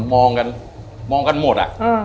มันมองกันหมด